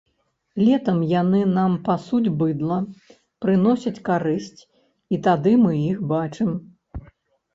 Летам яны нам пасуць быдла, прыносяць карысць, і тады мы іх бачым.